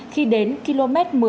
khi đến km một mươi